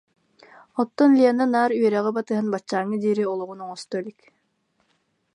Оттон Лена наар үөрэҕи батыһан баччааҥҥа диэри олоҕун оҥосто илик